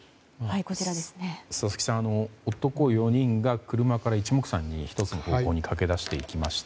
佐々木さん、男４人が車から一目散に１つの方向に駆け出していきました。